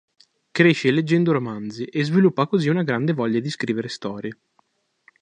Cresce leggendo romanzi, e sviluppa così una grande voglia di scrivere storie.